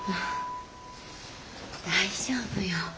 大丈夫よ。